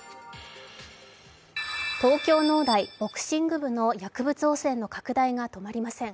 東京農大ボクシング部の薬物汚染の拡大が止まりません。